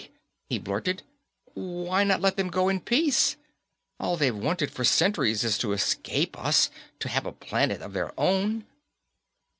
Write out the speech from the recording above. he blurted. "Why not let them go in peace? All they've wanted for centuries is to escape us, to have a planet of their own."